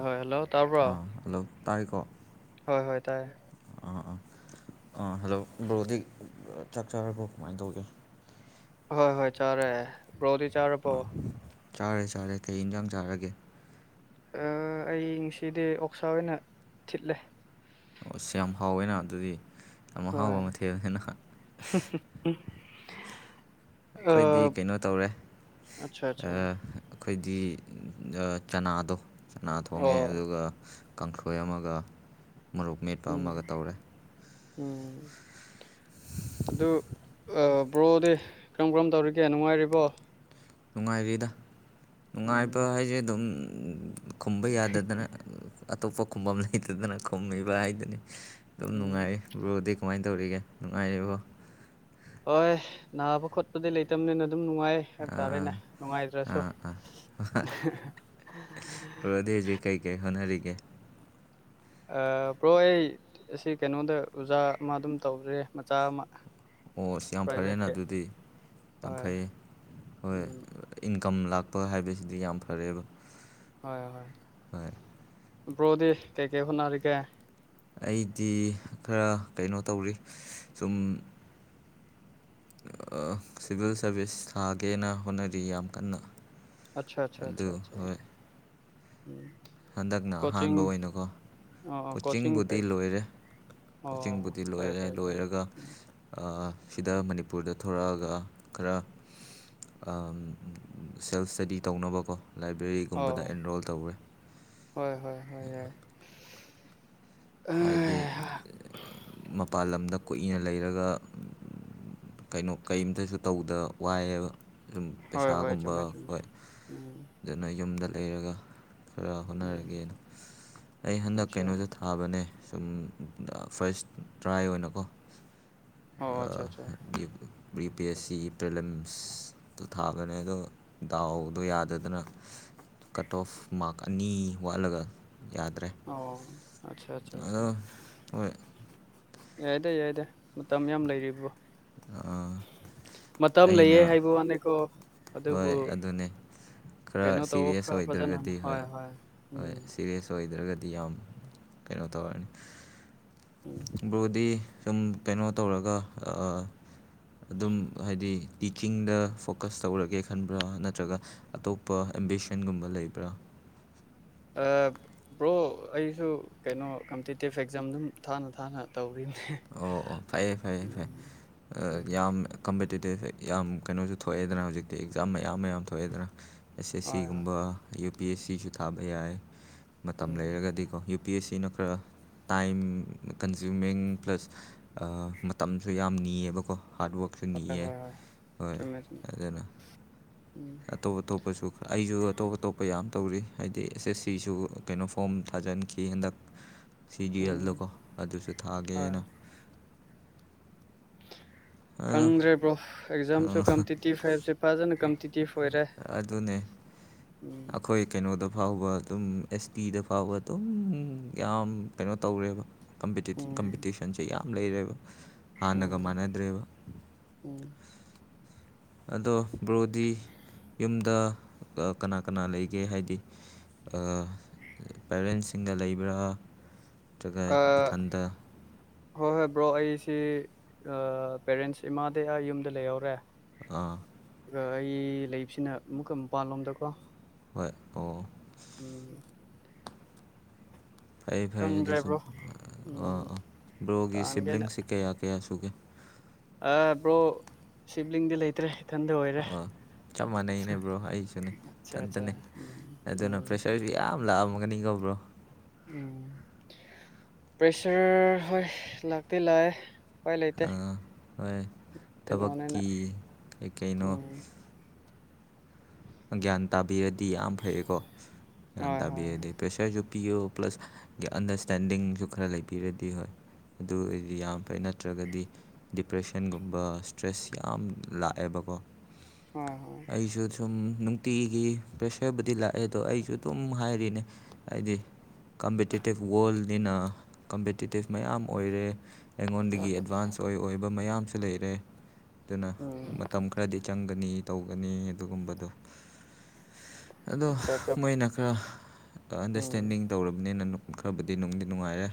ꯍꯣꯏ ꯍꯜꯂꯣ ꯇꯥꯕ꯭ꯔꯣ ꯑ ꯍꯜꯂꯣ ꯇꯥꯏꯀꯣ ꯍꯣꯏ ꯍꯣꯏ ꯇꯥꯏ ꯑꯥ ꯑꯥ ꯑꯥ ꯍꯜꯂꯣ ꯕ꯭ꯔꯣꯗꯤ ꯆꯥꯛ ꯆꯥꯔꯕ꯭ꯔꯣ ꯀꯃꯥꯏꯅ ꯇꯧꯒꯦ ꯍꯣꯏ ꯍꯣꯏ ꯆꯥꯔꯦ ꯕ꯭ꯔꯣꯗꯤ ꯆꯥꯔꯕꯣ ꯑꯥ ꯆꯥꯔꯦ ꯆꯥꯔꯦ ꯀꯩ ꯌꯦꯟꯁꯥꯡ ꯆꯥꯔꯒꯦ ꯑꯩ ꯉꯁꯤꯗꯤ ꯑꯣꯛꯁꯥ ꯑꯣꯏꯅ ꯊꯤꯠꯂꯦ ꯑ ꯑꯁ ꯌꯥꯝ ꯍꯥꯎꯋꯦꯅ ꯑꯗꯨꯗꯤ ꯌꯥꯝ ꯍꯣꯏ ꯑꯍꯥꯎꯕ ꯃꯊꯦꯜꯅꯦꯅ ꯑꯩꯈꯣꯏꯗꯤ ꯀꯩꯅꯣ ꯇꯧꯔꯦ ꯑꯠꯆꯥ ꯑꯠꯆꯥ ꯑꯩꯈꯣꯏꯗꯤ ꯆꯅꯥꯗꯣ ꯆꯅꯥ ꯊꯣꯡꯉꯦ ꯑꯣ ꯑꯗꯨꯒ ꯀꯥꯡꯊꯣꯏ ꯑꯃꯒ ꯃꯨꯞ ꯃꯦꯠꯄ ꯎꯝ ꯑꯃꯒ ꯇꯧꯔꯦ ꯎꯝ ꯑꯗꯨ ꯕ꯭ꯔꯣꯗꯤ ꯀꯔꯝ ꯀꯔꯝ ꯇꯧꯔꯤꯒꯦ ꯅꯨꯡꯉꯥꯏꯔꯤꯕꯣ ꯅꯨꯡꯉꯥꯏꯔꯤꯗ ꯅꯨꯡꯉꯥꯏꯕ ꯎꯝ ꯍꯥꯏꯁꯦ ꯑꯗꯨꯝ ꯈꯨꯝꯕ ꯌꯥꯗꯗꯅ ꯑꯇꯣꯞꯄ ꯈꯨꯝꯐꯝꯝ ꯂꯩꯇꯗꯅ ꯈꯨꯝꯃꯤꯕ ꯍꯥꯏꯗꯨꯅꯤ ꯑꯗꯨꯝ ꯎꯝ ꯅꯨꯡꯉꯥꯏ ꯕ꯭ꯔꯣꯗꯤ ꯀꯃꯥꯏꯅ ꯇꯧꯔꯤꯒꯦ ꯅꯨꯡꯉꯥꯏꯔꯤꯕꯔꯤꯕ꯭ꯔꯣ ꯍꯣꯏ ꯅꯥꯕ ꯈꯣꯠꯄꯗꯤ ꯂꯩꯇꯕꯅꯤꯅ ꯑꯗꯨꯝ ꯅꯨꯡꯉꯥꯏ ꯍꯥꯏꯇꯥꯔꯦꯅꯦ ꯑꯥ ꯅꯨꯡꯉꯥꯏꯇ꯭ꯔꯁꯨ ꯑꯥ ꯑꯥ ꯑꯗꯨꯦ ꯍꯧꯦ ꯀꯩ ꯀꯦ ꯑꯣꯦ ꯕ꯭ꯔꯣ ꯑꯩ ꯑꯁꯤ ꯀꯩꯅꯣꯗ ꯑꯣꯖꯥ ꯑꯃ ꯑꯗꯨꯝ ꯇꯧꯗ꯭ꯔꯦ ꯃꯆꯥ ꯑꯃ ꯑꯣ ꯑꯁ ꯌꯥꯝ ꯐꯔꯦꯅ ꯄ꯭ꯔꯥꯏꯚꯦꯠꯀꯤ ꯑꯗꯨꯗꯤ ꯌꯥꯝ ꯍꯣꯏ ꯐꯩ ꯍꯣꯏ ꯎꯝ ꯏꯟꯀꯝ ꯂꯥꯛꯄ ꯍꯥꯏꯕꯁꯤꯗꯤ ꯌꯥꯝ ꯐꯔꯦꯕ ꯍ ꯍ ꯍꯣꯏ ꯄ꯭ꯔꯣꯗꯤ ꯀꯩ ꯀꯦ ꯁꯅꯔ ꯀꯦ ꯑꯩꯗꯤ ꯈꯔ ꯀꯩꯅꯣ ꯇꯧꯔꯤ ꯁꯨꯝ ꯁꯤꯚꯤꯜ ꯁꯥꯔꯚꯤꯁ ꯊꯥꯒꯦꯅ ꯍꯣꯠꯅꯔꯤ ꯌꯥꯝ ꯀꯟꯅ ꯑꯆꯥ ꯑꯆꯥ ꯑꯗꯨ ꯑꯆꯥꯆꯥ ꯍꯣꯏ ꯎꯝ ꯍꯟꯗꯛꯅ ꯑꯍꯥꯟꯕ ꯀꯣꯆꯤꯡ ꯑꯣꯏꯅꯀꯣ ꯑꯣ ꯀꯣꯆꯤꯡ ꯀꯣꯆꯤꯡꯕꯨꯗꯤ ꯀꯩ ꯂꯣꯏꯔꯦ ꯑꯣ ꯀꯣꯆꯤꯡꯕꯨꯗꯤ ꯐꯔꯦ ꯂꯣꯏꯔꯦ ꯐꯔꯦ ꯐꯔꯦ ꯂꯣꯏꯔꯒ ꯁꯤꯗ ꯃꯅꯤꯄꯨꯔꯗ ꯊꯂꯛꯑꯒ ꯈꯔ ꯎꯝ ꯁꯦꯜꯐ ꯏꯁꯇꯗꯤ ꯇꯧꯅꯕꯀꯣ ꯂꯥꯏꯕ꯭ꯔꯦꯔꯤꯒꯨꯝꯕꯗ ꯑꯣ ꯑꯦꯟꯔꯣꯜ ꯇꯧꯔꯦ ꯍꯣꯏ ꯍꯣꯏ ꯍꯣꯏ ꯌꯥꯔ‌ꯦ ꯍꯥꯏꯗꯤ ꯃꯄꯥꯥꯟ ꯂꯝꯗ ꯀꯨꯏꯅ ꯂꯩꯔꯒ ꯀꯩꯅꯣ ꯀꯩꯝꯇꯁꯨ ꯇꯧꯗ ꯋꯥꯏꯑ‌ꯦꯕ ꯁꯨꯝ ꯍꯣꯏ ꯍꯣꯏ ꯄꯩꯁꯥꯒꯨꯝꯕ ꯆꯨꯝꯃꯦ ꯆꯨꯝꯃꯦ ꯍꯣꯏ ꯎꯝ ꯑꯗꯨꯅ ꯌꯨꯝꯗ ꯂꯩꯔꯒ ꯈꯔ ꯎꯝ ꯍꯣꯠꯅꯔꯒꯦꯅ ꯑꯩ ꯍꯟꯗꯛ ꯑꯠꯆꯥ ꯀꯩꯅꯣꯁꯨ ꯊꯥꯕꯅꯦ ꯁꯨꯝ ꯐꯥꯔꯁ ꯇ꯭ꯔꯥꯏ ꯑꯣꯏꯅꯀꯣ ꯑꯣ ꯑꯠꯁꯥ ꯑꯠꯁꯥ ꯕꯔꯤ ꯄꯤ ꯑꯦꯁ ꯁꯤ ꯄ꯭ꯔꯦꯂꯝꯝꯁꯇꯣ ꯊꯥꯕꯅꯦ ꯑꯗꯣ ꯗꯥꯎꯗꯣ ꯌꯥꯗꯗꯅ ꯀꯠ ꯑꯣꯐ ꯃꯥꯔꯛ ꯑꯅꯤ ꯋꯥꯠꯂꯒ ꯌꯥꯗ꯭ꯔꯦ ꯑ ꯑꯗꯣ ꯑꯁꯥ ꯍꯣꯏ ꯌꯥꯏꯗ ꯌꯥꯏꯗ ꯃꯇꯝ ꯌꯥꯝ ꯂꯩꯔꯤꯕꯣ ꯃꯇꯝ ꯑꯩꯅ ꯂꯩꯌꯦ ꯍꯥꯏꯕ ꯑꯇꯅꯦ ꯂꯡꯡꯌꯩꯇꯧ ꯍꯣꯏ ꯑꯗꯨꯅꯦ ꯈꯔ ꯀꯩꯅꯣ ꯇꯧꯋꯣ ꯁꯤꯔꯤꯌꯁ ꯈꯔ ꯐꯖꯅ ꯑꯣꯏꯗ꯭ꯔꯒꯗꯤ ꯍꯣꯏ ꯍꯣꯏ ꯎꯝ ꯁꯤꯔꯤꯌꯁ ꯑꯣꯏꯗ꯭ꯔꯒꯗꯤ ꯌꯥꯝ ꯀꯩꯅꯣ ꯇꯧꯔꯛꯅꯤ ꯎꯝ ꯕꯔꫭꯗꯤ ꯁꯨꯝ ꯀꯩꯅꯣ ꯇꯧꯔꯒꯩ ꯑꯥ ꯑꯗꯨꯝ ꯍꯥꯏꯗꯤ ꯇꯤꯀꯤꯡꯗ ꯐꯣꯀꯁ ꯇꯧꯔꯒꯦ ꯈꯟꯕ꯭ꯔꯥ ꯅꯠꯇ꯭ꯔꯒ ꯑꯇꯣꯞꯄ ꯑꯦꯝꯕꯤꯁꯟꯒꯨꯝꯕ ꯂꯩꯕ꯭ꯔꯥ ꯑꯥ‌ ꯕ꯭ꯔꯣ ꯑꯩꯁꯨ ꯀꯩꯅꯣ ꯀꯝꯄꯤꯇꯤꯇꯤꯞ ꯑꯦꯛꯖꯥꯝ ꯑꯗꯨꯝ ꯊꯥꯅ ꯊꯥꯅ ꯇꯧꯒꯤꯅꯤ ꯑꯣ ꯑꯣ ꯐꯩꯌꯦ ꯐꯩꯌꯦ‌ ꯐꯩ ꯌ‌ꯦ ꯎꯝ ꯌꯥꯝ ꯌꯥꯝ ꯀꯩꯅꯣꯁꯨ ꯊꯣꯛꯑꯦꯗꯅ ꯍꯧꯖꯤꯛꯇꯤ ꯑꯦꯛꯖꯥꯝ ꯃꯌꯥꯝ ꯃꯌꯥꯝ ꯊꯣꯛꯑꯦꯗꯅ ꯑꯦꯁ ꯁꯤ ꯍꯣꯏ ꯍꯣꯏ ꯁꯤꯒꯨꯝꯕ ꯌꯨ ꯄꯤ ꯑꯦꯁ ꯁꯤꯁꯨ ꯊꯥꯕ ꯌꯥꯏ ꯃꯇꯝ ꯎꯝ ꯂꯩꯔꯒꯗꯤꯀꯣ ꯌꯨ ꯄꯤ ꯑꯦꯁ ꯁꯤꯅ ꯈꯔ ꯇꯥꯏꯝ ꯀꯟꯖꯨꯃꯤꯡ ꯄ꯭ꯂꯁ ꯃꯇꯝꯁꯨ ꯌꯥꯝ ꯅꯤꯌꯦꯕꯀꯣ ꯍꯥꯔꯠꯋꯥꯛꯁꯨ ꯍꯣꯏ ꯅꯤꯌꯦ ꯍꯣꯏ ꯍꯣꯏ ꯍꯣꯏ ꯆꯨꯝꯃꯦ ꯆꯨꯝꯃꯦ ꯑꯗꯨꯅ ꯎꯝ ꯑꯇꯣꯞ ꯑꯇꯣꯞꯄꯁꯨ ꯑꯩꯁꯨ ꯑꯇꯣꯞ ꯑꯇꯣꯞꯄ ꯌꯥꯝ ꯇꯧꯔꯤ ꯍꯥꯏꯗꯤ ꯑꯦꯁ ꯑꯦꯁ ꯁꯤꯁꯨ ꯀꯩꯅꯣ ꯐꯣꯝ ꯊꯥꯖꯤꯟꯈꯤ ꯍꯟꯗꯛ ꯁꯤ ꯎꯝ ꯖ‌ꯦꯌ‌ꯦꯜꯗꯀꯣ ꯑꯗꯨꯁꯨ ꯍꯣꯏ ꯊꯥꯒꯦꯅ ꯈꯪꯗ꯭ꯔꯦꯕ꯭ꯔꯣ ꯑꯦꯛꯖꯥꯝꯁꯨ ꯀꯝꯄꯤꯇꯤꯇꯤꯚ ꯍꯥꯏꯕꯕꯁꯤ ꯐꯖꯅ ꯀꯝꯄꯤꯇꯤꯇꯤꯚ ꯑꯣꯏꯔꯦ ꯑꯗꯨꯅꯦ ꯎꯝ ꯑꯩꯈꯣꯏ ꯀꯩꯅꯣꯗ ꯐꯥꯎꯕ ꯑꯗꯨꯝ ꯑꯦꯁ ꯇꯤꯗ ꯐꯥꯎꯕ ꯑꯗꯨꯝ ꯌꯥꯝ ꯀꯩꯅꯣ ꯇꯧꯔꯦꯕ ꯎꯝ ꯀꯝꯄꯤꯇꯤꯁꯟꯁꯦ ꯌꯥꯝ ꯂꯩꯔꯦꯕ ꯍꯥꯟꯅꯒ ꯎꯝ ꯃꯥꯟꯅꯗ꯭ꯔꯦꯕ ꯎꯝ ꯑꯗꯣ ꯕ꯭ꯔꯣꯗꯤ ꯌꯨꯝꯗ ꯀꯅꯥ ꯀꯅꯥ ꯂꯩꯒꯦ ꯍꯥꯏꯗꯤ ꯑꯥ ꯄꯦꯔꯦꯟꯁꯤꯡꯒ ꯂꯩꯕ꯭ꯔꯥ ꯅꯠꯇ꯭ꯔꯒ ꯑꯥ ꯏꯊꯟꯗ ꯍꯣꯏ ꯍꯣꯏ ꯕ꯭ꯔꯣ ꯑꯩꯁꯤ ꯑꯥ ꯄꯦꯔꯦꯟꯁ ꯏꯃꯥꯗꯒꯤ ꯑꯩ ꯌꯨꯝꯗ ꯂꯩꯍꯧꯔꯦ ꯑꯥ ꯑꯗꯨꯒ ꯑꯩ ꯂꯩꯕꯁꯤꯅ ꯑꯃꯨꯛꯀ ꯃꯄꯥꯟ ꯂꯣꯝꯗꯀꯣ ꯍꯣꯏ ꯑꯣ ꯐꯩ ꯐꯩ ꯈꯪꯗ꯭ꯔꯦ ꯑꯗꯨꯁꯨ ꯕ꯭ꯔꯣ ꯑ ꯎꯝ ꯕ꯭ꯔꯣꯒꯤ ꯁꯤꯕ꯭ꯂꯤꯡꯁꯤꯦꯀꯌꯥ ꯀꯌꯥꯁꯨ ꯒ‌ꯦ ꯑ ꯕ꯭ꯔꯣ ꯁꯤꯕꯂꯤꯡꯗꯤ ꯂꯩꯇ꯭ꯔꯦ ꯏꯊꯟꯗ ꯑꯣꯏꯔꯦ ꯑꯥ ꯆꯞ ꯃꯥꯟꯅꯩꯅꯦꯕ꯭ꯔꯣ ꯑꯩꯁꯨꯅꯦ ꯑꯠꯆꯥ ꯑꯠꯆꯥ ꯏꯊꯟꯇꯅꯦ ꯎꯝ ꯑꯗꯨꯅ ꯎꯝ ꯄ꯭ꯔꯦꯁꯔꯁꯨ ꯌꯥꯝ ꯂꯥꯛꯑ ꯎꯝꯒꯅꯤꯀꫭ ꯕ꯭ꯔꯣ ꯎꯝ ꯄ꯭ꯔꯦꯁꯔ ꯍꯣꯏ ꯂꯥꯛꯇꯤ ꯂꯥꯛꯑꯦ ꯎꯄꯥꯏ ꯂꯩꯇ‌ꯦ ꯑꯥ ꯍꯣꯏ ꯊꯕꯛꯀꯤ ꯀꯩ ꯀꯩꯅꯣ ꯎꯝ ꯒ꯭ꯌꯥꯟ ꯇꯥꯕꯤꯔꯗꯤ ꯌꯥꯝ ꯐꯩꯀꯣ ꯒ꯭ꯌꯥꯟ ꯍꯣꯏ ꯍꯣꯏ ꯇꯥꯕꯤꯔꯗꯤ ꯄꯦꯁꯔꯁꯨ ꯄꯤꯌꯣ ꯄ꯭ꯂꯁ ꯑꯟꯗꯔꯁꯇꯦꯟꯗꯤꯡꯁꯨ ꯈꯔ ꯂꯩꯕꯤꯔꯗꯤ ꯍꯣꯏ ꯑꯗꯨ ꯑꯣꯏꯗꯤ ꯌꯥꯝ ꯐꯩ ꯅꯠꯇ꯭ꯔꯒꯗꯤ ꯗꯤꯄ꯭ꯔꯦꯁꯟꯒꯨꯝꯕ ꯏꯁꯇ꯭ꯔꯦꯁ ꯌꯥꯝ ꯂꯥꯛꯑꯦꯕꯀꯣ ꯍꯣꯏ ꯍꯣꯏ ꯑꯩꯁꯨ ꯎꯝ ꯅꯨꯡꯇꯤꯒꯤ ꯄ꯭ꯔꯦꯁꯔꯕꯨꯗꯤ ꯂꯥꯛꯑꯦ ꯑꯗꯣ ꯑꯩꯁꯨ ꯑꯗꯨꯝ ꯍꯥꯏꯔꯤꯅꯦ ꯍꯥꯏꯗꯤ ꯀꯝꯄꯤꯇꯤꯇꯤꯞ ꯋꯥꯔꯜꯅꯤꯅ ꯀꯝꯄꯤꯇꯤꯇꯤꯞ ꯃꯌꯥꯝ ꯑꯣꯏꯔꯦ ꯑꯩꯉꯣꯟꯗꯒꯤ ꯑꯦꯗꯚꯥꯟꯁ ꯑꯣꯏ ꯑꯣꯏꯕ ꯃꯌꯥꯝꯁꯨ ꯂꯩꯔꯦ ꯑꯗꯨꯅ ꯎꯝ ꯃꯇꯝ ꯈꯔꯗꯤ ꯆꯪꯒꯅꯤ ꯇꯧꯒꯅꯤ ꯑꯗꯨꯒꯨꯝꯕꯗꯣ ꯑꯗꯣ ꯑꯆꯥ ꯑꯆꯥ ꯃꯣꯏꯅ ꯈꯔ ꯎꯝ ꯑꯟꯗꯔꯁꯇꯦꯟꯗꯤꯡ ꯇꯧꯔꯝꯅꯤꯅ ꯈꯔꯕꯨꯗꯤ ꯅꯨꯡꯗꯤ ꯅꯨꯡꯉꯥꯏꯔꯦ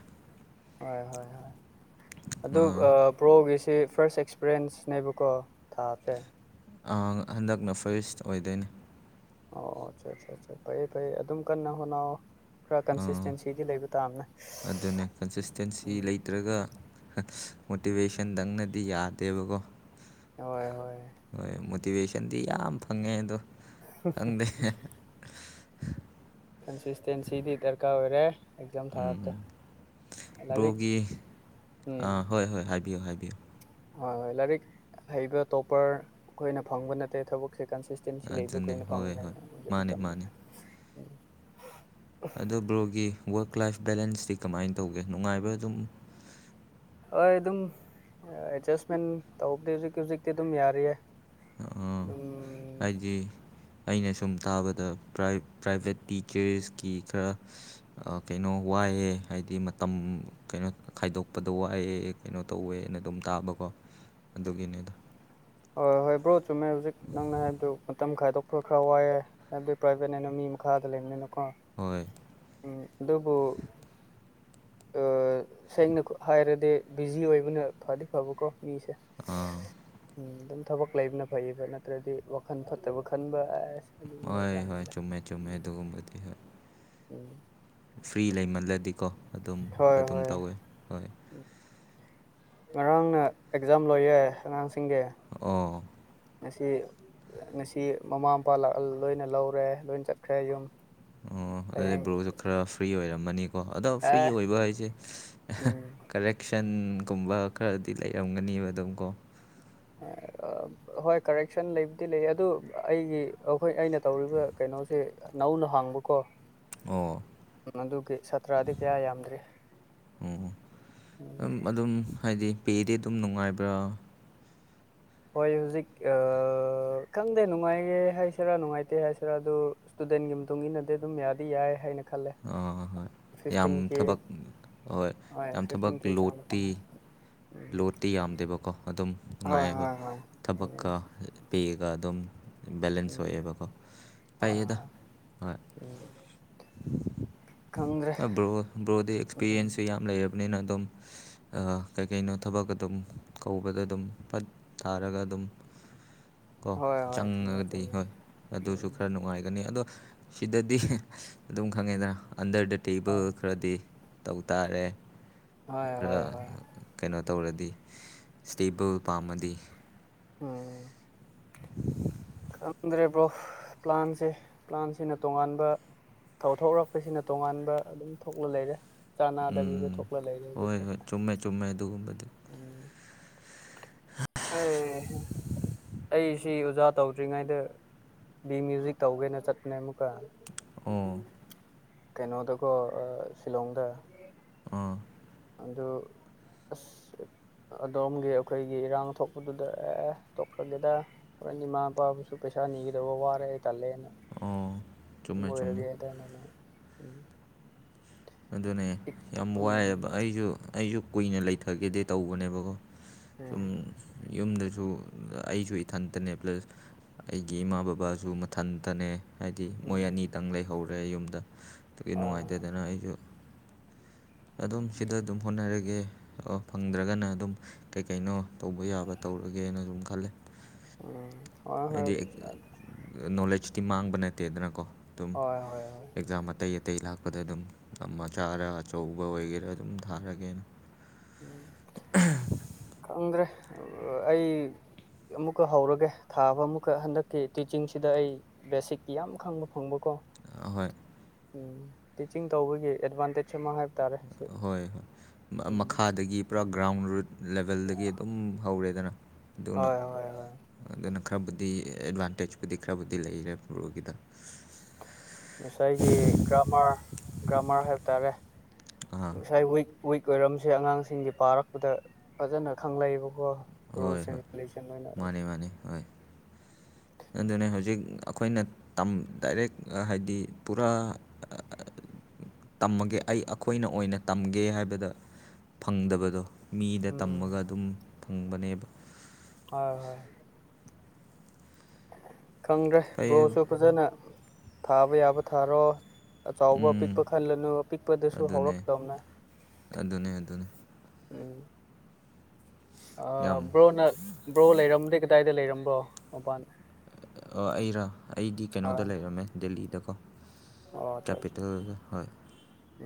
ꯍꯣꯏ ꯍꯣꯏ ꯍꯣꯏ ꯑꯗꯨ ꯄ꯭ꯔꯣꯒꯤꯁꯤ ꯐꯥꯔꯁ ꯑꯦꯛꯁꯄꯔꯤꯌꯦꯟꯁ ꯅꯦꯕꯀꯣ ꯊꯥꯐꯦ ꯑꯪ ꯍꯟꯗꯛꯅ ꯐꯁ ꯑꯣꯏꯗꯣꯏꯅꯦ ꯑꯣ ꯑꯆꯥ ꯑꯆꯥ ꯑ ꯐꯩꯌꯦ ꯐꯩꯌꯦ ꯑꯗꯨꯝ ꯀꯟꯅ ꯍꯣꯠꯅꯑꯣ ꯑꯥ ꯑꯗꯨꯅꯦ ꯀꯟꯁꯤꯁꯇꯦꯟꯁꯤ ꯎꯝ ꯂꯩꯇ꯭ꯔꯒ ꯍꯠ ꯃꯣꯇꯤꯚꯦꯁꯟꯗꯪꯅꯗꯤ ꯌꯥꯗꯦꯕꯀꯣ ꯍꯣꯏ ꯍꯣꯏ ꯍꯣꯏ ꯃꯣꯇꯤꯚꯦꯁꯟ ꯎꯟꯗꯤ ꯌꯥꯝ ꯐꯪꯉꯦ ꯑꯗꯣ ꯈꯪꯗꯦ [unintelligible] ꯀꯟꯁꯤꯁꯇꯦꯟꯁꯤꯗꯤ ꯗꯔꯀꯥꯔ ꯑꯣꯏꯔꯦ ꯑꯦꯛꯖꯥꯝ ꯊꯥꯞꯇ ꯎꯝ ꯕ꯭ꯔꯣꯒꯤ ꯑꯉꯥꯡ ꯍꯣꯏ ꯍꯣꯏ ꯍꯥꯏꯕꯤꯌꯨ ꯍꯥꯏꯕꯤꯌꯨ ꯑ ꯍꯣꯏ ꯂꯥꯏꯔꯤꯛ ꯍꯩꯕ ꯇꯣꯞꯄꯔ ꯑꯩꯈꯣꯏꯅ ꯐꯪꯕ ꯅꯠꯇꯦ ꯊꯕꯛ ꯁꯦ ꯁꯤꯁꯇꯦꯝꯁꯤ ꯂꯩꯕ ꯑꯗꯨꯅꯦ ꯀꯣꯏꯅ ꯍꯣꯏ ꯐꯪꯕꯅꯦ ꯍꯣꯏ ꯍꯤꯖꯤꯛ ꯃꯥꯅꯦ ꯃꯇꯝꯗꯤ ꯃꯥꯅꯦ ꯑꯗꯣ ꯕ꯭ꯔꯣꯒꯤ ꯋꯔꯛ ꯂꯥꯏꯐ ꯕꯦꯂꯦꯟꯁꯇꯤ ꯀꯃꯥꯏꯅ ꯇꯧꯒꯦ ꯅꯨꯡꯉꯥꯏꯕ ꯑꯗꯨꯝ ꯍꯣꯏ ꯑꯗꯨꯝ ꯑꯦꯠꯖꯁꯃꯦꯟ ꯇꯧꯕꯗꯤ ꯍꯧꯖꯤꯛ ꯍꯧꯖꯤꯛꯇꯤ ꯑꯗꯨꯝ ꯌꯥꯔꯤꯌꯦ ꯑꯥ, ꯎꯝ ꯍꯥꯏꯗꯤ ꯑꯩꯅ ꯁꯨꯝ ꯇꯥꯕꯗ ꯄꯔꯥꯏ ꯄ꯭ꯔꯥꯏꯚꯦꯠ ꯇꯤꯆꯔꯁꯀꯤ ꯈꯔ ꯀꯩꯅꯣ ꯋꯥ ꯍꯥꯏꯌꯦ ꯍꯥꯏꯗꯤ ꯃꯇꯝ ꯀꯩꯅꯣ ꯈꯥꯏꯗꯣꯛꯄꯗ ꯋꯥꯑ ꯀꯩꯅꯣ ꯇꯧꯋꯦꯅ ꯑꯗꯨꯝ ꯇꯥꯕꯀꯣ ꯑꯗꯨꯒꯤꯅꯦꯗ ꯍꯣꯏ ꯍꯣꯏ ꯕ꯭ꯔꯣ ꯆꯨꯝꯃꯦ ꯍꯧꯖꯤꯛ ꯅꯪꯅ ꯍꯥꯏꯕꯗꯨ ꯃꯇꯝ ꯈꯥꯏꯗꯣꯛꯄ ꯈꯔ ꯋꯥꯏꯌꯦ ꯍꯥꯏꯕꯗꯤ ꯄ꯭ꯔꯥꯏꯚꯦꯠ ꯍꯥꯏꯅ ꯃꯤ ꯃꯈꯥꯗ ꯂꯩꯝꯅꯤꯅ ꯍꯣꯏ ꯎꯝ ꯑꯗꯨꯕꯨ ꯑ ꯁꯦꯡꯅ ꯍꯥꯏꯔꯗꯤ ꯕꯤꯖꯤ ꯑꯣꯏꯕꯅ ꯐꯗꯤ ꯐꯕꯀꯣ ꯃꯤꯁꯦ ꯑꯥ ꯑꯗꯨꯝ ꯊꯕꯛ ꯂꯩꯕꯅ ꯐꯩꯌꯦꯕ ꯅꯠꯇ꯭ꯔꯗꯤ ꯋꯥꯈꯜ ꯐꯠꯇꯕ ꯈꯟꯕ ꯑꯁ ꯑꯗꯨꯒꯨꯝꯕ ꯍꯣꯏ ꯍꯣꯏ ꯌꯥꯝꯃꯜꯂꯦ ꯆꯨꯝꯃꯦ ꯆꯨꯝꯃꯦ ꯑꯗꯨꯒꯨꯝꯕꯗꯤ ꯍꯣꯏ ꯎꯝ ꯐ꯭ꯔꯤ ꯂꯩꯃꯜꯂꯗꯤꯀꯣ ꯑꯗꯨꯝ ꯍꯣꯏ ꯑꯗꯨꯝ ꯍꯣꯏ ꯇꯧꯋꯦ ꯍꯣꯏ ꯉꯔꯥꯡꯅ ꯑꯦꯛꯖꯥꯝ ꯂꯣꯏꯌꯦ ꯑꯉꯥꯡꯁꯤꯡꯒꯤ ꯑꯣ ꯉꯁꯤ ꯉꯁꯤ ꯃꯃꯥ ꯃꯄꯥ ꯂꯣꯏꯅ ꯂꯧꯔꯦ ꯂꯣꯏꯅ ꯆꯠꯈ꯭ꯔꯦ ꯌꯨꯝ ꯑꯣ ꯑꯗꯨꯗ ꯍꯌꯦꯡ ꯕ꯭ꯔꯣꯁꯨ ꯈꯔ ꯐ꯭ꯔꯤ ꯑꯣꯏꯔꯝꯃꯅꯤ ꯀꯣ ꯑꯗꯣ ꯐ꯭ꯔꯤ ꯑꯦ ꯑꯣꯏꯕ ꯍꯥꯏꯁꯦ ꯎꯝ ꯀꯔꯦꯛꯁꯟ ꯨꯝꯀꯨꯝꯕ ꯈꯔꯗꯤ ꯂꯩꯔꯝꯒꯅꯦꯕ ꯑꯗꯨꯝ ꯀꯣ ꯑ ꯍꯣꯏ ꯀꯔꯦꯛꯁꯟ ꯂꯩꯕꯨꯗꯤ ꯂꯩ ꯑꯗꯨ ꯑꯩꯒꯤ ꯑꯩꯈꯣꯏ ꯑꯩꯅ ꯇꯧꯔꯤꯕ ꯀꯩꯅꯣꯁꯦ ꯍꯧꯅ ꯍꯥꯡꯕꯀꯣ ꯑꯣ ꯑꯗꯨꯒꯤ ꯁꯥꯇ꯭ꯔꯗꯤ ꯀꯌꯥ ꯌꯥꯝꯗ꯭ꯔꯤ ꯑꯣꯝ ꯑꯗꯨꯝ ꯍꯥꯏꯗꯤ ꯄꯦꯗꯤ ꯑꯗꯨꯝ ꯅꯨꯡꯉꯥꯏꯕ꯭ꯔꯥ ꯍꯣꯏ ꯍꯧꯖꯤꯛ ꯑ ꯈꯪꯗꯦ ꯅꯨꯡꯉꯥꯏꯌꯦꯦꯍꯥꯏꯁꯤꯔꯥ ꯅꯨꯡꯉꯥꯏꯇꯦ ꯍꯥꯏꯁꯤꯔꯥ ꯑꯗꯨ ꯗꯤꯟꯒꯤ ꯃꯇꯨꯡ ꯏꯟꯅꯗꯤ ꯑꯗꯨꯝ ꯌꯥꯗꯤ ꯌꯥꯏ ꯍꯥꯏꯅ ꯈꯜꯂꯦ ꯑ ꯍꯣꯏ ꯍꯣꯏ ꯌꯥꯝ ꯐꯤꯐꯇꯤꯟ ꯀꯦ ꯊꯕꯛ ꯍꯣꯏ ꯌꯥꯝ ꯊꯕꯛ ꯐꯤꯐꯇꯤꯟ ꯀꯦ ꯆꯥꯡꯗ ꯂꯣꯠꯇꯤ ꯐꯪꯉꯦ ꯎꯝ ꯂꯣꯠꯇꯤ ꯌꯥꯝꯗꯦꯕꯀꯣ ꯑꯗꯨꯝ ꯍꯣꯏ ꯅꯨꯡꯉꯥꯏꯌꯦꯕ ꯍꯣꯏ ꯍꯣꯏ ꯎꯝ ꯊꯕꯛꯀ ꯄꯦꯒ ꯑꯗꯨꯝ ꯕꯦꯂꯦꯟꯁ ꯎꯝ ꯑꯣꯏꯌꯦꯕꯀꯣ ꯍꯣꯏ ꯐꯩꯌꯦꯗ ꯍꯣꯏ ꯍꯣꯏ ꯎꯝ [inaudible] ꯕ꯭ꯔꯣ ꯕ꯭ꯔꯣꯗꯤ ꯑꯦꯛꯁꯄꯤꯔꯤꯌꯦꯟꯁꯁꯨ ꯌꯥꯝ ꯂꯩꯌꯦꯕ ꯕꯅꯤꯅ ꯑꯗꯨꯝ ꯀꯩꯀꯩꯅꯣ ꯊꯕꯛ ꯑꯗꯨꯝ ꯀꯧꯕꯗ ꯑꯗꯨꯝ ꯄꯠ ꯊꯥꯔꯒ ꯑꯗꯨꯝ ꯀꯣ ꯍꯣꯏ ꯍꯣꯏ ꯆꯨꯝꯃꯦ ꯆꯪꯉꯒꯗꯤ ꯆꯨꯝꯃꯦ ꯍꯣꯏ ꯎꯝ ꯑꯗꯨꯁꯨ ꯈꯔ ꯅꯨꯡꯉꯥꯏꯒꯅꯤ ꯑꯗꯣ ꯁꯤꯗꯗꯤ ꯑꯗꯨꯝ ꯈꯪꯉꯦꯗꯅ ꯑꯟꯗꯔ ꯇꯦꯕꯜ ꯈꯔꯗꯤ ꯇꯧ ꯇꯥꯔꯦ ꯍꯣꯏ ꯈꯔ ꯍꯣꯏ ꯍꯣꯏ ꯀꯩꯅꯣ ꯇꯧꯔꯗꯤ ꯏꯁꯇꯦꯕꯜ ꯄꯥꯝꯃꯗꯤ ꯎꯝ ꯈꯪꯗ꯭ꯔꯦꯕ꯭ꯔꯣ ꯄ꯭ꯂꯥꯟꯁꯦ ꯄ꯭ꯂꯥꯟꯁꯤꯅ ꯇꯣꯉꯥꯟꯕ ꯊꯧꯊꯣꯛꯔꯛꯄꯁꯤꯅ ꯇꯣꯉꯥꯟꯕ ꯑꯗꯨꯝ ꯊꯣꯛꯂ ꯂꯩꯔꯦ ꯆꯥꯅꯥꯗꯕꯤꯗ ꯎꯝ ꯊꯣꯛꯂ ꯂꯩꯔꯦ ꯍꯣꯏ ꯍꯧꯖꯤꯛꯇꯤ ꯍꯣꯏ ꯆꯨꯝꯃꯦ ꯆꯨꯝꯃꯦ ꯑꯗꯨꯒꯨꯝꯕꯗꯤ ꯑꯦ ꯍꯦ ꯑꯩ ꯁꯤ ꯑꯣꯖꯥ ꯇꯧꯗ꯭ꯔꯤꯉꯩꯗ ꯕꯤ ꯃ꯭ꯌꯨꯖꯤꯛ ꯇꯧꯒꯦꯅ ꯆꯠꯄꯅꯦ ꯑꯃꯨꯛꯀ ꯑꯣ ꯀꯩꯅꯣꯗꯀꯣ ꯁꯤꯂꯣꯡꯗ ꯑꯥ ꯑꯗꯣ ꯑꯁ ꯑꯗꯣꯝꯒꯤ ꯑꯩꯈꯣꯏꯒꯤ ꯏꯔꯥꯡ ꯊꯣꯛꯄꯗꯨꯗ ꯑꯦ ꯇꯣꯛꯈ꯭ꯔꯒꯦꯗ ꯍꯣꯔꯦꯟ ꯏꯃꯥ ꯅꯨꯄꯥꯕꯨꯁꯨ ꯄꯩꯁꯥ ꯅꯤꯈꯤꯗꯕ ꯋꯥꯔꯦ ꯇꯜꯂꯦꯅ ꯑꯣ ꯑꯗꯨꯝ ꯆꯨꯝꯃꯦ ꯆꯨꯝꯃꯦ ꯑꯣꯏꯔꯒꯦꯗꯅꯅ ꯎꯝ ꯑꯗꯨꯅꯦ ꯌꯥꯝ ꯎꯝ ꯋꯥꯏꯑꯕ ꯑꯩꯁꯨ ꯑꯩꯁꯨ ꯀꯨꯏꯅ ꯂꯩꯊꯒꯦꯗꯤꯦ ꯇꯧꯕꯅꯦꯕꯀꯣ ꯎꯝ ꯁꯨꯝ ꯌꯨꯝꯗ ꯁꯨ ꯑꯩꯁꯨ ꯏꯊꯟꯇꯅꯦ ꯄ꯭ꯂꯁ ꯑꯩꯒꯤ ꯏꯃꯥ ꯕꯕꯥꯁꯨ ꯃꯊꯟꯇꯅꯦ ꯍꯥꯏꯗꯤ ꯃꯣꯏ ꯎꯝ ꯑꯅꯤꯇꯪ ꯂꯩꯍꯧꯔꯦ ꯌꯨꯝꯗ ꯑꯗꯨꯒꯤ ꯍꯣꯏ ꯅꯨꯡꯉꯥꯏ ꯇꯦꯗꯅ ꯑꯩꯁꯨ ꯑꯗꯨꯝ ꯁꯤꯗ ꯑꯗꯨꯝ ꯍꯣꯠꯅꯔꯒꯦ ꯑꯣ ꯐꯪꯗ꯭ꯔꯒꯅ ꯑꯗꯨꯝ ꯀꯩ ꯀꯩꯅꯣ ꯇꯧꯕ ꯌꯥꯕ ꯇꯧꯔꯒꯦꯅ ꯗꯨꯝ ꯈꯜꯂꯦ ꯎꯝ ꯍꯣꯏ ꯍꯣꯏ ꯑꯩꯗꯤ ꯅꯣꯂꯦꯖ ꯃꯥꯥꯡꯕ ꯅꯠ ꯇꯦꯗꯅꯀꯣ ꯑꯗꯨꯝ ꯍꯣꯏ ꯍꯣꯏ ꯍꯣꯏ ꯑꯦꯛꯖꯥꯝ ꯑꯇꯩ ꯑꯇꯩ ꯂꯥꯛꯄꯗ ꯑꯗꯨꯝ ꯃꯆꯔ ꯑꯆꯧ ꯑꯆꯧꯕ ꯑꯣꯏꯒꯦꯔꯥ ꯑꯗꯨꯝ ꯊꯥꯔꯒꯦꯅ ꯎꯝ ꯑꯣ ꯑꯣ ꯑꯩ ꯑꯃꯨꯛꯀ ꯍꯧꯔꯒꯦ ꯊꯥꯕ ꯑꯃꯨꯛꯀ ꯍꯟꯗꯛꯀꯤ ꯇꯤꯆꯤꯡꯁꯤꯗ ꯑꯩ ꯕꯦꯁꯤꯛꯀꯤ ꯌꯥꯝ ꯈꯪꯕ ꯐꯪꯕꯀꯣ ꯍꯣꯏ ꯇꯤꯆꯤꯡ ꯇꯧꯕꯒꯤ ꯑꯦꯗꯚꯥꯟꯇꯦꯖ ꯑꯃ ꯍꯥꯏ ꯍꯣꯏ ꯍꯣꯏ ꯃꯈꯥꯗꯒꯤ ꯄꯨꯔꯥ ꯒ꯭ꯔꯥꯎꯟ ꯔꯨꯠ ꯂꯦꯕꯦꯜꯗꯒꯤ ꯑꯗꯨꯝ ꯍꯧꯔꯦꯗꯅ ꯑꯗꯨꯅ ꯍꯣꯏ ꯍꯣꯏ ꯍꯣꯏ ꯑꯗꯨꯅ ꯈꯔꯕꯨꯗꯤ ꯑꯦꯗꯚꯥꯟꯇꯦꯖ ꯄꯨꯗꯤ ꯈꯔꯕꯨꯗꯤ ꯂꯩꯔꯦ ꯕꯔꯣ ꯒꯤꯗ ꯉꯁꯥꯏꯒꯤ ꯒ꯭ꯔꯥꯃꯥꯔ ꯒ꯭ꯔꯥꯃꯥꯔ ꯍꯥꯏꯕ ꯇꯥꯔꯦ ꯑꯥ ꯉꯁꯥꯏ ꯋꯤꯛ ꯋꯤꯛ ꯑꯣꯏꯔꯝꯁꯦ ꯑꯉꯥꯡꯁꯤꯡꯒꯤ ꯄꯥꯔꯛꯄꯗ ꯐꯖꯅ ꯈꯪꯂꯛꯑꯕꯀꯣ ꯔꯨꯜꯁ ꯍꯣꯏ ꯁꯤꯡ ꯍꯣꯏ ꯑꯦꯟ ꯔꯦꯒꯨꯂꯦꯁꯟ ꯂꯣꯏꯅꯥ ꯃꯥꯅꯦ ꯃꯥꯅꯦ ꯍꯣꯏ ꯑꯗꯨꯅꯦ ꯍꯧꯖꯤꯛ ꯑꯩꯈꯣꯏꯅ ꯗꯥꯏꯔꯦꯛ ꯍꯥꯏꯗꯤ ꯄꯨꯔꯥ ꯇꯝꯃꯒꯦ ꯑꯩ ꯑꯩꯈꯣꯏꯅ ꯑꯣꯏꯅ ꯇꯝꯒꯦ ꯍꯥꯏꯕꯗ ꯐꯪꯗꯕꯗꯣ ꯃꯤꯗ ꯎꯝ ꯇꯝꯃꯒ ꯑꯗꯨꯝ ꯐꯪꯕꯅꯦꯕ ꯍꯣꯏ ꯍꯣꯏ ꯈꯪꯗ꯭ꯔꯦ ꯐꯩꯌꯦꯕ ꯕ꯭ꯔꯣꯁꯨ ꯐꯖꯅ ꯊꯥꯕ ꯌꯥꯕ ꯊꯥꯔꯣ ꯑꯆꯕ ꯎꯝ ꯑꯄꯤꯛꯄ ꯈꯜꯂꯅꯨ ꯑꯄꯤꯛꯄꯗꯁꯨ ꯑꯗꯨꯅꯦ ꯍꯧꯔꯛꯇꯕꯅꯦ ꯑꯗꯨꯅꯦ ꯑꯗꯨꯅꯦ ꯎꯝ ꯌꯥꯝ ꯕ꯭ꯔꯣꯅ ꯕ꯭ꯔꯣ ꯂꯩꯔꯝꯗꯦ ꯀꯗꯥꯏꯗ ꯂꯩꯔꯝꯕ꯭ꯔꯣ ꯃꯄꯥꯟ ꯑꯩꯔꯥ ꯑꯩꯗꯤ ꯀꯩꯅꯣꯗ ꯍꯣꯏ ꯂꯩꯔꯝꯃꯦ ꯗꯦꯜꯂꯤꯗꯀꯣ ꯑꯣ ꯑꯠꯆꯥ ꯑꯠꯆꯥ ꯀꯄꯤꯇꯦꯜ ꯑꯆꯥ ꯍ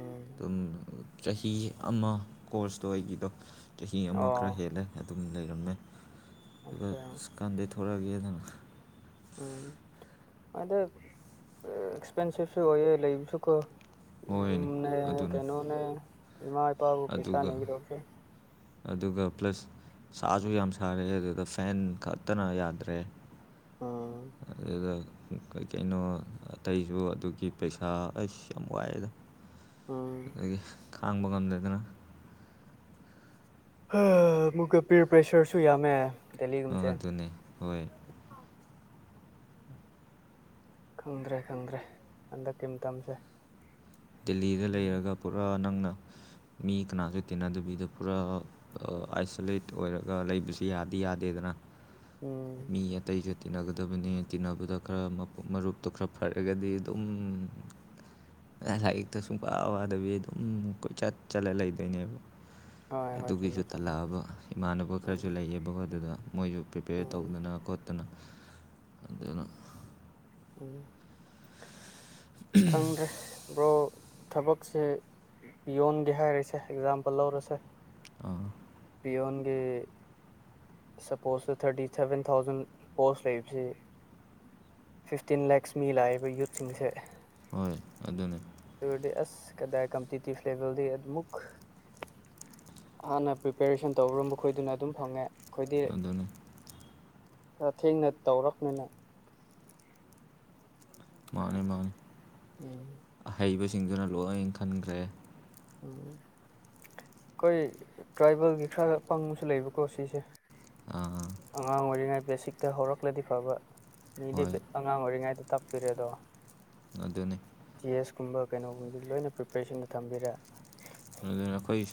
ꯎꯝ ꯆꯍꯤ ꯑꯃ ꯀꯣꯔꯁꯇꯣ ꯑꯩꯒꯤꯗꯣ ꯆꯍꯤ ꯑꯃ ꯑꯣ ꯈꯔ ꯍꯦꯜꯂꯦ ꯑꯗꯨ ꯂꯩꯔꯃꯦ ꯑꯆꯥ ꯀꯥꯟꯗ ꯊꯧꯣꯔꯥ ꯀ ꯊ ꯎꯝ ꯑꯗ ꯑꯦꯛꯁꯄꯦꯟꯁꯤꯞꯁꯨ ꯑꯣꯏꯌꯦ ꯂꯩꯕꯁꯨ ꯀꯣ ꯍꯣꯏꯅꯦ ꯅꯦ ꯑꯗꯨꯅꯤ. ꯀꯩꯅꯣꯅꯦꯃ ꯄꯕ ꯄꯩꯁꯥ ꯑꯗꯨꯒ ꯅ ꯔꯧꯒꯦ ꯑꯗꯨꯒ ꯄ꯭ꯂꯁ ꯁꯥꯁꯨ ꯌꯥꯝ ꯁꯥꯔꯑꯦ ꯑꯗꯨꯗ ꯐꯦꯟ ꯈꯛꯇꯅ ꯌꯥꯗ꯭ꯔꯦ ꯑꯗꯨꯗ ꯀꯩ ꯀꯩꯅꯣ ꯑꯇꯩꯁꯨ ꯑꯗꯨꯒꯤ ꯄꯩꯁꯥ ꯑꯁ ꯌꯥꯝ ꯋꯥꯏꯑꯦꯗ ꯎꯝ ꯑꯗꯒꯤ ꯈꯥꯡꯕ ꯉꯝꯗꯗꯅ ꯍ ꯃꯨꯒ ꯄꯔ ꯄ꯭ꯔꯦꯁꯔꯁꯨꯨ ꯌꯥꯃꯦ ꯑ ꯑꯗꯨꯅꯦ ꯍꯣꯏ ꯈꯪꯗ꯭ꯔꯦ ꯈꯪꯗ꯭ꯔꯦ ꯍꯟꯗꯛꯀꯤ ꯃꯇꯝꯁꯦ ꯗꯦꯜꯂꯤꯗ ꯂꯩꯔꯒ ꯄꯨꯔꯥ ꯅꯪꯅ ꯃꯤ ꯀꯅꯥꯁꯨ ꯇꯤꯟꯅꯗꯕꯤꯗ ꯄꯨꯔꯥ ꯑꯥꯏꯁꯣꯂꯦꯠ ꯑꯣꯏꯔꯒ ꯂꯩꯕꯁꯨ ꯌꯥꯗꯤ ꯌꯥꯗꯦꯗꯅ ꯎꯝ ꯃꯤ ꯑꯇꯩꯏꯆꯨ ꯇꯤꯟꯅꯒꯗꯕꯅꯤ ꯇꯤꯟꯅꯕꯗ ꯈꯔ ꯃꯔꯨꯞꯇꯣ ꯈꯔ ꯐꯔꯒꯗꯤ ꯑꯗꯨꯝ ꯂꯥꯏꯔꯤꯛꯇ ꯁꯨꯡ ꯋꯥ ꯋꯥꯗꯕꯤ ꯑꯗꯨꯝ ꯀꯣꯏꯆꯠ ꯆꯠꯂ ꯂꯩꯗꯣꯏꯅꯦꯕ ꯍꯣꯏ [inaudible] ꯍꯣꯏ ꯑꯗꯨꯒꯤꯁꯨ ꯆꯨꯝꯃꯦ ꯆꯨꯝꯃꯦ ꯇꯜꯂꯛꯑꯕ ꯏꯃꯥꯟꯅꯕ ꯎꯝ ꯈꯔꯁꯨ ꯂꯩꯌꯦꯕꯀꯣ ꯑꯗꯨꯗ ꯃꯣꯏꯁꯨ ꯄ꯭ꯔꯤꯄꯦꯌꯔ ꯎꯝ ꯇꯧꯗꯅ ꯈꯣꯠꯇꯅ ꯑꯗꯨꯅ ꯎ ꯈꯪꯗ꯭ꯔꯦ ꯕ꯭ꯔꯣ ꯊꯕꯛꯁꯦ ꯄꯌꯣꯟꯒꯦ ꯍꯥꯏꯔꯤꯁꯦ ꯑꯦꯛꯖꯥꯝꯄꯜ ꯂꯧꯔꯁꯦ ꯑꯥ ꯌꯣꯟꯒꯤ ꯁꯄꯣꯁꯇ ꯊꯥꯔꯇꯤ ꯁꯚꯦꯟ ꯊꯥꯎꯖꯟ ꯄꯣꯁ ꯂꯩꯕꯕꯁꯤ ꯐꯤꯐꯇꯤꯟ ꯂꯦꯛꯁ ꯃꯤ ꯂꯥꯛꯏꯕ ꯌꯨꯠꯁꯤꯡꯁꯦ ꯍꯣꯏ ꯑꯗꯨꯅꯦ ꯑꯗꯨꯗꯤ ꯑꯁ ꯀꯗꯥꯏ ꯀꯝꯄꯤꯇꯤꯇꯤꯞ ꯂꯦꯚꯦꯜꯗꯤ ꯑꯗꯨꯃꯨꯛ ꯍꯥꯟꯅ ꯄ꯭ꯔꯤꯄꯦꯔꯦꯁꯟ ꯇꯧꯔꯝꯕ ꯃꯈꯣꯏꯗꯨꯅ ꯑꯗꯨꯝ ꯐꯪꯉꯦ ꯑꯩꯈꯣꯏꯗꯤ ꯑꯗꯨꯗꯅꯤ ꯈꯔ ꯊꯦꯡꯅ ꯇꯧꯔꯛꯄꯅꯤꯅ ꯃꯥꯅꯤ ꯃꯥꯅꯤ ꯎꯝ ꯑꯍꯩꯕꯁꯤꯡꯗꯨꯅ ꯂꯣꯏ ꯈꯟꯈ꯭ꯔꯦ ꯎꯝ ꯑꯩꯈꯣꯏ ꯇ꯭ꯔꯥꯏꯕꯦꯜꯒꯤ ꯈꯔ ꯄꯪꯕꯁꯨ ꯂꯩꯕꯀꯣ ꯁꯤꯁꯦ ꯑ ꯑꯉꯥꯡ ꯑꯣꯏꯔꯤꯉꯩ ꯕꯦꯁꯤꯛꯇ ꯍꯧꯔꯛꯂꯗꯤ ꯐꯕ ꯃꯤꯗꯤ ꯍꯣꯏ ꯑꯉꯥꯡ ꯑꯣꯏꯔꯤꯉꯩꯗ ꯇꯞꯄꯤꯔꯦꯗ ꯑꯗꯨꯅꯤ ꯀꯨꯝꯕ ꯀꯩꯅꯣꯒꯨꯝꯕꯗꯤ ꯂꯣꯏꯅ ꯄ꯭ꯔꯤꯄꯦꯔꯦꯁꯟꯗ ꯊꯝꯕꯤꯔꯦ ꯑꯗꯨꯅ ꯑꯩꯈꯣꯏ